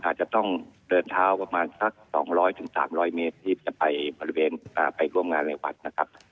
อาจจะต้องเริ่มเทาท์ประมาณสัก๒๐๐๓๐๐เมตรด้วยที่จะไปบริเวณกรุงงานในวัดนะครับ